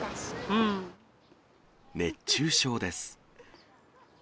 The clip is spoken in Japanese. うん、熱中症です。